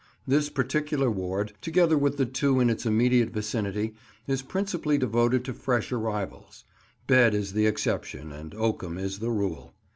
This particular ward, together with the two in its immediate vicinity, is principally devoted to fresh arrivals; bed is the exception and oakum is the rule.